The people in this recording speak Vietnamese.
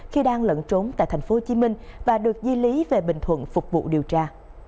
khi đang lận trốn tại tp hcm và được di lý về bình thuận phục vụ điều tra